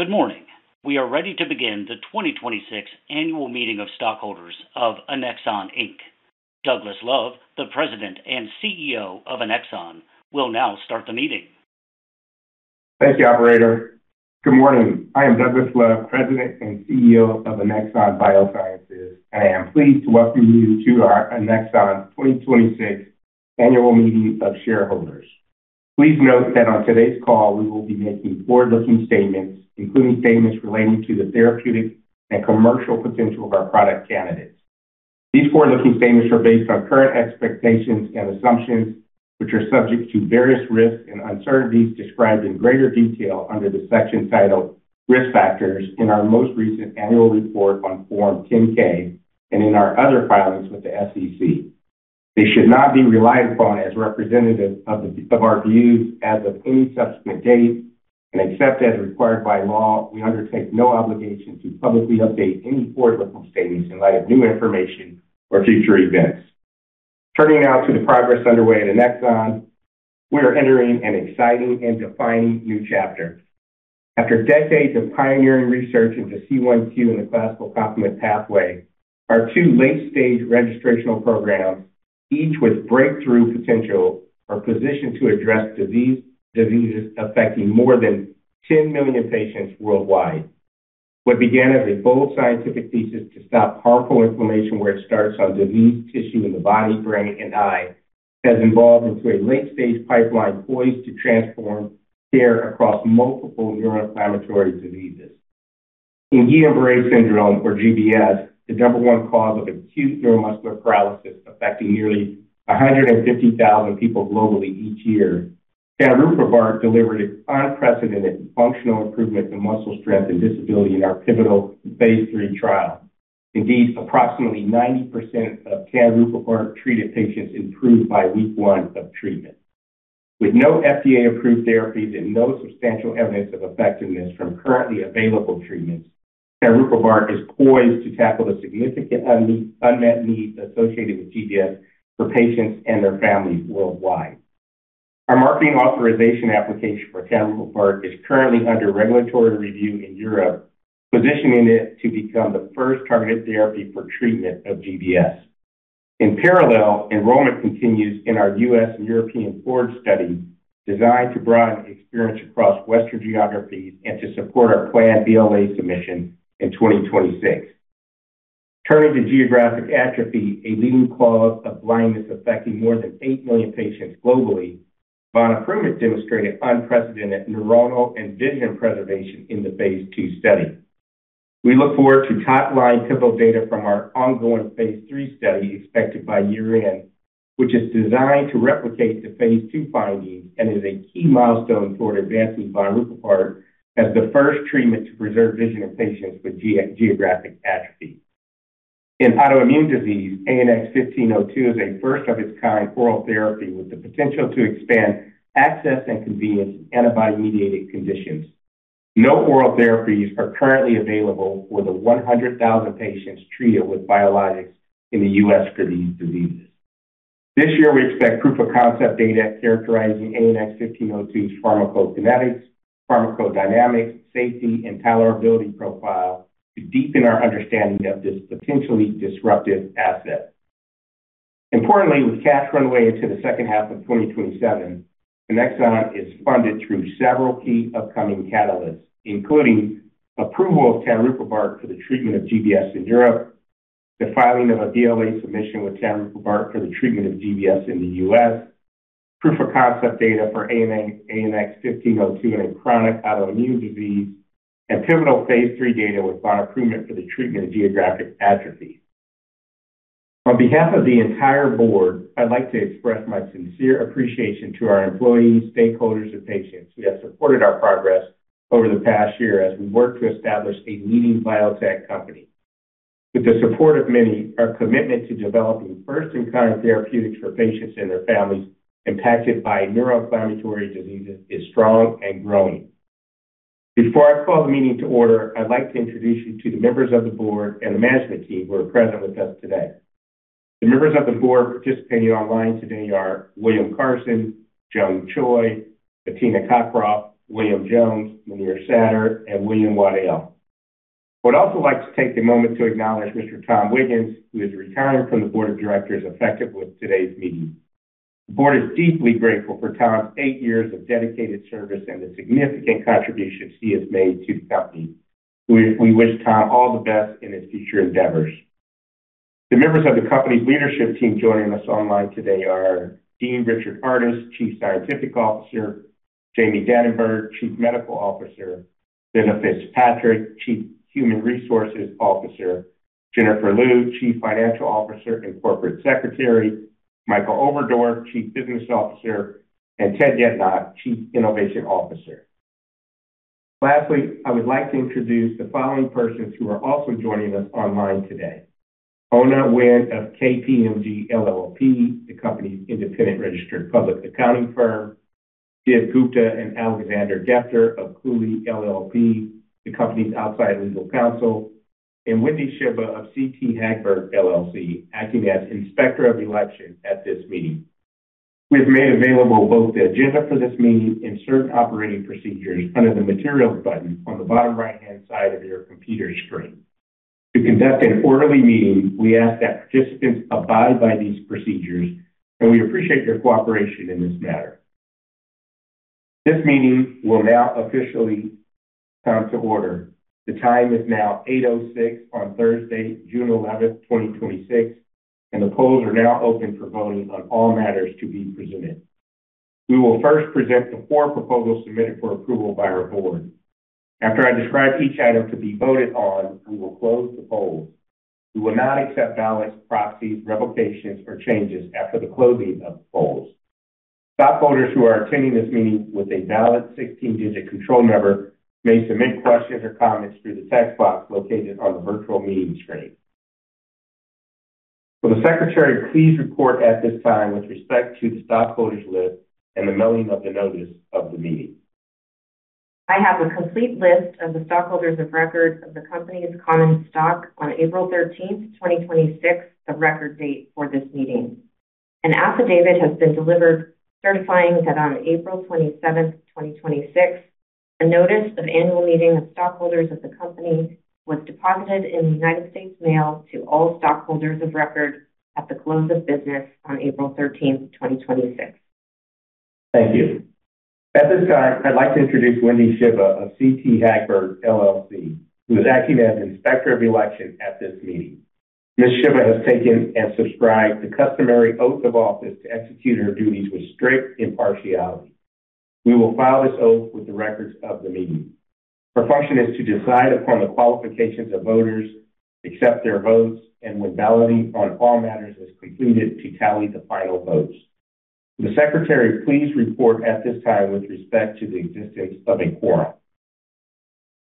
Good morning. We are ready to begin the 2026 annual meeting of stockholders of Annexon, Inc. Douglas Love, the President and CEO of Annexon, will now start the meeting. Thank you, operator. Good morning. I am Douglas Love, President and CEO of Annexon Biosciences. I am pleased to welcome you to our Annexon 2026 annual meeting of shareholders. Please note that on today's call, we will be making forward-looking statements, including statements relating to the therapeutic and commercial potential of our product candidates. These forward-looking statements are based on current expectations and assumptions, which are subject to various risks and uncertainties described in greater detail under the section titled Risk Factors in our most recent annual report on Form 10-K and in our other filings with the SEC. They should not be relied upon as representative of our views as of any subsequent date. Except as required by law, we undertake no obligation to publicly update any forward-looking statements in light of new information or future events. Turning now to the progress underway at Annexon, we are entering an exciting and defining new chapter. After decades of pioneering research into C1q and the classical complement pathway, our two late-stage registrational programs, each with breakthrough potential, are positioned to address diseases affecting more than 10 million patients worldwide. What began as a bold scientific thesis to stop harmful inflammation where it starts on diseased tissue in the body, brain, and eye, has evolved into a late-stage pipeline poised to transform care across multiple neuroinflammatory diseases. In Guillain-Barré Syndrome, or GBS, the number one cause of acute neuromuscular paralysis affecting nearly 150,000 people globally each year, tanruprubart delivered unprecedented functional improvement in muscle strength and disability in our pivotal phase III trial. Indeed, approximately 90% of tanruprubart treated patients improved by week one of treatment. With no FDA-approved therapies and no substantial evidence of effectiveness from currently available treatments, tanruprubart is poised to tackle the significant unmet needs associated with GBS for patients and their families worldwide. Our marketing authorization application for tanruprubart is currently under regulatory review in Europe, positioning it to become the first targeted therapy for treatment of GBS. In parallel, enrollment continues in our U.S. and European FORGE study, designed to broaden experience across Western geographies and to support our planned BLA submission in 2026. Turning to geographic atrophy, a leading cause of blindness affecting more than eight million patients globally, vonaprument demonstrated unprecedented neuronal and vision preservation in the phase II study. We look forward to top-line pivotal data from our ongoing phase III study expected by year-end, which is designed to replicate the phase II findings and is a key milestone toward advancing vonaprument as the first treatment to preserve vision in patients with geographic atrophy. In autoimmune disease, ANX1502 is a first-of-its-kind oral therapy with the potential to expand access and convenience in antibody-mediated conditions. No oral therapies are currently available for the 100,000 patients treated with biologics in the U.S. for these diseases. This year, we expect proof-of-concept data characterizing ANX1502's pharmacokinetics, pharmacodynamics, safety, and tolerability profile to deepen our understanding of this potentially disruptive asset. Importantly, with cash runway into the second half of 2027, Annexon is funded through several key upcoming catalysts, including approval of tanruprubart for the treatment of GBS in Europe, the filing of a BLA submission with tanruprubart for the treatment of GBS in the U.S., proof-of-concept data for ANX1502 in a chronic autoimmune disease, and pivotal phase III data with vonaprument for the treatment of geographic atrophy. On behalf of the entire board, I'd like to express my sincere appreciation to our employees, stakeholders, and patients who have supported our progress over the past year as we work to establish a leading biotech company. With the support of many, our commitment to developing first-in-kind therapeutics for patients and their families impacted by neuroinflammatory diseases is strong and growing. Before I call the meeting to order, I'd like to introduce you to the members of the board and the management team who are present with us today. The members of the board participating online today are William Carson, Jung Choi, Bettina Cockroft, William Jones, Muneer Satter, and Will Waddill. I would also like to take a moment to acknowledge Mr. Tom Wiggans, who is retiring from the board of directors effective with today's meeting. The board is deeply grateful for Tom's eight years of dedicated service and the significant contributions he has made to the company. We wish Tom all the best in his future endeavors. The members of the company's leadership team joining us online today are Rick Artis, Chief Scientific Officer, Jamie Dananberg, Chief Medical Officer, Linda Fitzpatrick, Chief Human Resources Officer, Jennifer Lew, Chief Financial Officer and Corporate Secretary, Michael Overdorf, Chief Business Officer, and Ted Yednock, Chief Innovation Officer. Lastly, I would like to introduce the following persons who are also joining us online today. Ona Nguyen of KPMG LLP, the company's independent registered public accounting firm, Sid Gupta and Alexander Gefter of Cooley LLP, the company's outside legal counsel, and Wendy Shiba of CT Hagberg LLC, acting as Inspector of Election at this meeting. We have made available both the agenda for this meeting and certain operating procedures under the Materials button on the bottom right-hand side of your computer screen. To conduct an orderly meeting, we ask that participants abide by these procedures, and we appreciate your cooperation in this matter. This meeting will now officially come to order. The time is now 8:06 A.M. on Thursday, June 11th, 2026, and the polls are now open for voting on all matters to be presented. We will first present the four proposals submitted for approval by our board. After I describe each item to be voted on, we will close the polls. We will not accept ballots, proxies, revocations, or changes after the closing of the polls. Stockholders who are attending this meeting with a valid 16-digit control number may submit questions or comments through the text box located on the virtual meeting screen. Will the Secretary please report at this time with respect to the stockholders list and the mailing of the notice of the meeting? I have a complete list of the stockholders of record of the company's common stock on April thirteenth, 2026, the record date for this meeting. An affidavit has been delivered certifying that on April twenty-seventh, 2026, a notice of annual meeting of stockholders of the company was deposited in the U.S. mail to all stockholders of record at the close of business on April 13th, 2026. Thank you. At this time, I'd like to introduce Wendy Shiba of CT Hagberg LLC, who is acting as Inspector of Election at this meeting. Ms. Shiba has taken and subscribed the customary oath of office to execute her duties with strict impartiality. We will file this oath with the records of the meeting. Her function is to decide upon the qualifications of voters, accept their votes, and when balloting on all matters is concluded, to tally the final votes. Will the Secretary please report at this time with respect to the existence of a quorum?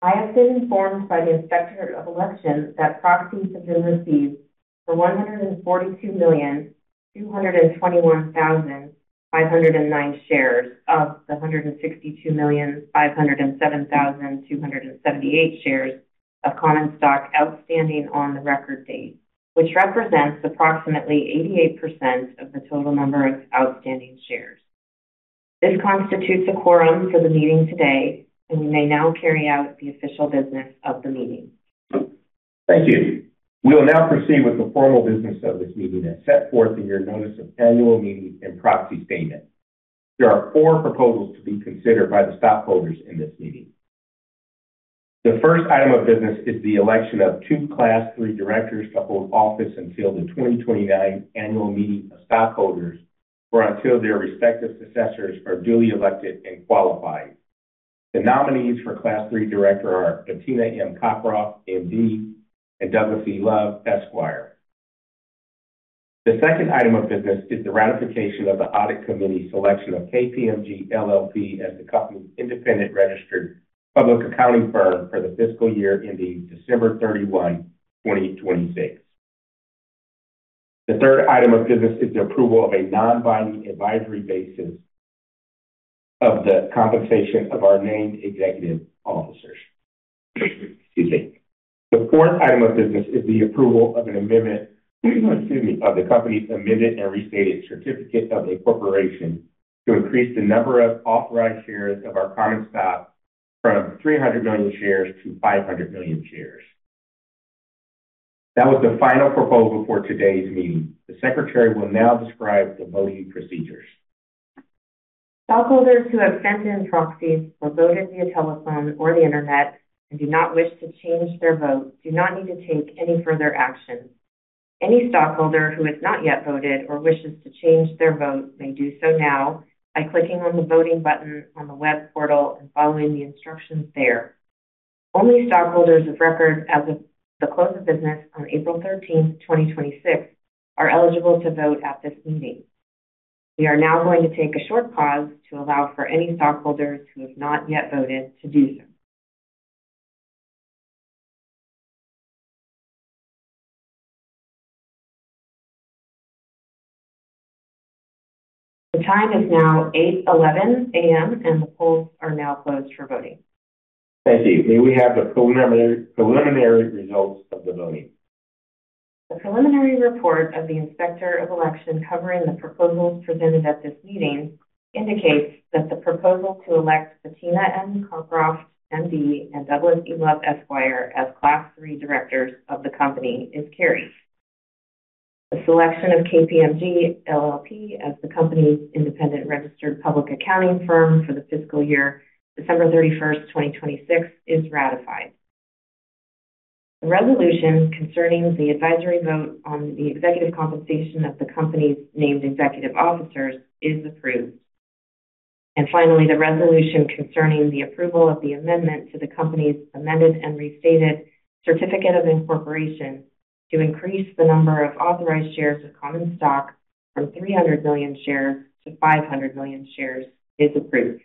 I have been informed by the Inspector of Election that proxies have been received for 142,221,509 shares of the 162,507,278 shares of common stock outstanding on the record date, which represents approximately 88% of the total number of outstanding shares. This constitutes a quorum for the meeting today, and we may now carry out the official business of the meeting Thank you. We will now proceed with the formal business of this meeting as set forth in your notice of annual meeting and proxy statement. There are four proposals to be considered by the stockholders in this meeting. The first item of business is the election of two class III directors to hold office until the 2029 annual meeting of stockholders, or until their respective successors are duly elected and qualified. The nominees for class III director are Bettina M. Cockroft, MD, and Douglas E. Love, Esquire. The second item of business is the ratification of the Audit Committee selection of KPMG LLP as the company's independent registered public accounting firm for the fiscal year ending December 31, 2026. The third item of business is the approval of a non-binding advisory basis of the compensation of our named executive officers. Excuse me. The fourth item of business is the approval of the company's amended and restated certificate of incorporation to increase the number of authorized shares of our common stock from 300 million shares to 500 million shares. That was the final proposal for today's meeting. The Secretary will now describe the voting procedures. Stockholders who have sent in proxies or voted via telephone or the internet and do not wish to change their vote do not need to take any further action. Any stockholder who has not yet voted or wishes to change their vote may do so now by clicking on the voting button on the web portal and following the instructions there. Only stockholders of record as of the close of business on April 13, 2026, are eligible to vote at this meeting. We are now going to take a short pause to allow for any stockholders who have not yet voted to do so. The time is now 8:11 A.M., and the polls are now closed for voting. Thank you. May we have the preliminary results of the voting? The preliminary report of the Inspector of Election covering the proposals presented at this meeting indicates that the proposal to elect Bettina M. Cockroft, MD, and Douglas E. Love, Esquire, as class III directors of the company is carried. The selection of KPMG LLP as the company's independent registered public accounting firm for the fiscal year December 31st, 2026, is ratified. The resolution concerning the advisory vote on the executive compensation of the company's named executive officers is approved. Finally, the resolution concerning the approval of the amendment to the company's amended and restated certificate of incorporation to increase the number of authorized shares of common stock from 300 million shares to 500 million shares is approved.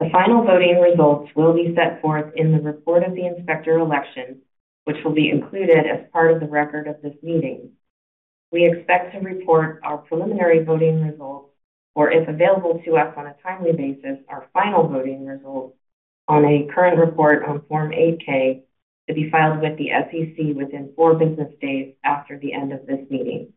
The final voting results will be set forth in the report of the Inspector of Election, which will be included as part of the record of this meeting. We expect to report our preliminary voting results, or, if available to us on a timely basis, our final voting results on a current report on Form 8-K to be filed with the SEC within four business days after the end of this meeting.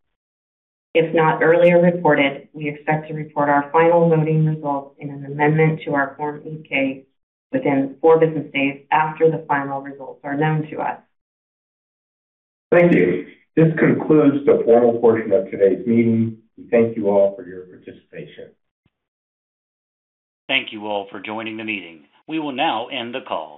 If not earlier reported, we expect to report our final voting results in an amendment to our Form 8-K within four business days after the final results are known to us. Thank you. This concludes the formal portion of today's meeting. We thank you all for your participation. Thank you all for joining the meeting. We will now end the call.